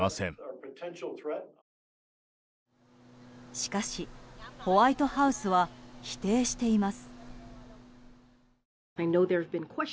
しかし、ホワイトハウスは否定しています。